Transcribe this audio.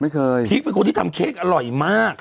ไม่เคยพีคเป็นคนที่ทำเค้กอร่อยมาก